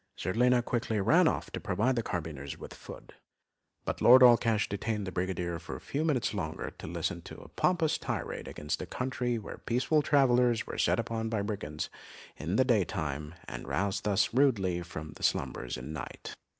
Zerlina quickly ran off to provide the carbineers with food, but Lord Allcash detained the brigadier a few minutes longer to listen to a pompous tirade against a country where peaceful travellers were set upon by brigands in the day time, and roused thus rudely from their slumbers at night.